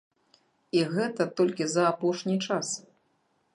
І гэта толькі за апошні час.